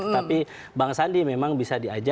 tapi bang sandi memang bisa diajak